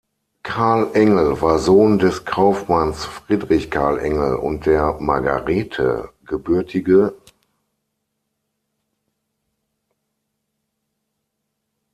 Carl Engel war Sohn des Kaufmanns Friedrich Karl Engel und der Margarethe geb.